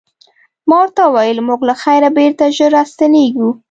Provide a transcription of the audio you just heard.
ما ورته وویل موږ له خیره بېرته ژر راستنیږو.